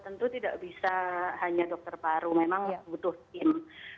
tentu tidak bisa hanya dokter paru memang butuh tim